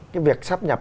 cái việc sát nhập